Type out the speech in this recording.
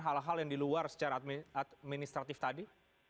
hal hal yang diluar secara administratif tadi